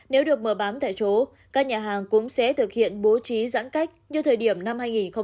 nếu được mở bán tại chỗ các nhà hàng cũng sẽ thực hiện bố trí giãn cách như thời điểm năm hai nghìn hai mươi